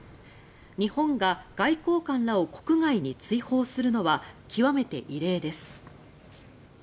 日本が外交官らを国外に追放するのは極めて異例です。